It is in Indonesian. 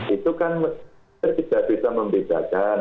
itu kan kita tidak bisa membedakan